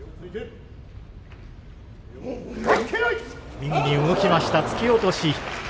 右に動きました、突き落とし。